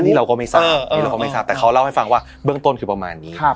อันนี้เราก็ไม่ทราบแต่เขาเล่าให้ฟังว่าเบื้องต้นคือประมาณนี้